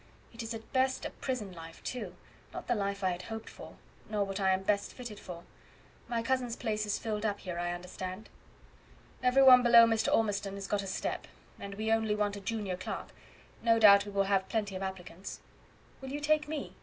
It is at best a prison life, too; not the life I had hoped for, nor what I am best fitted for. My cousin's place is filled up here, I understand." "Every one below Mr. Ormistown has got a step, and we only want a junior clerk. No doubt we will have plenty of applicants." "Will you take me?"